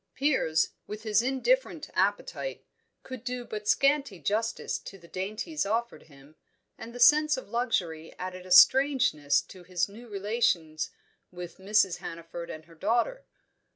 Piers, with his indifferent appetite, could do but scanty justice to the dainties offered him, and the sense of luxury added a strangeness to his new relations with Mrs. Hannaford and her daughter.